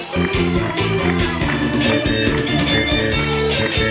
เพลงที่จะเปลี่ยนมาเลย